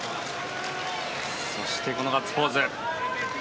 そして、マリンのガッツポーズ。